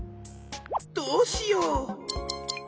どうしよう？